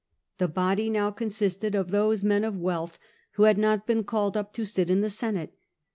The body now consisted of those men of wealth who had not been called up to sit in the senate.